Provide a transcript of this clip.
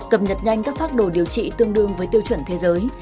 cập nhật nhanh các phác đồ điều trị tương đương với tiêu chuẩn thế giới